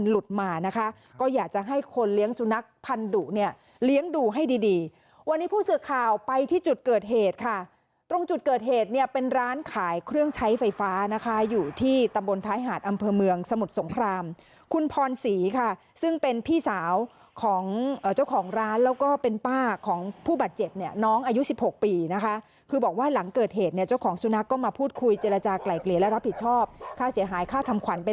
เลี้ยงดูให้ดีวันนี้พูดสึกข่าวไปที่จุดเกิดเหตุค่ะตรงจุดเกิดเหตุเนี่ยเป็นร้านขายเครื่องใช้ไฟฟ้านะคะอยู่ที่ตำบลท้ายหาดอำเภอเมืองสมุทรสงครามคุณพรศรีค่ะซึ่งเป็นพี่สาวของเจ้าของร้านแล้วก็เป็นป้าของผู้บัตรเจ็บเนี่ยน้องอายุ๑๖ปีนะคะคือบอกว่าหลังเกิดเหตุเนี่ยเจ้าของสุนัขก็มา